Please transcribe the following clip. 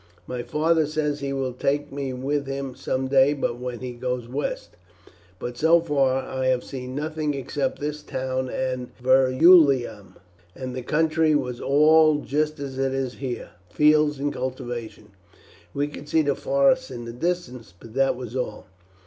My father says he will take me with him some day when he goes west, but so far I have seen nothing except this town and Verulamium, and the country was all just as it is here, fields and cultivation. We could see the forests in the distance, but that was all.